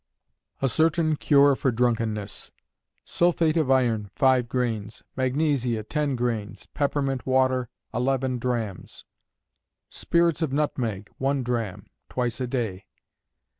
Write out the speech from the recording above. A Certain Cure for Drunkenness. Sulphate of iron, 5 grains; magnesia, 10 grains peppermint water, 11 drachms; spirits of nutmeg, 1 drachm; twice a day.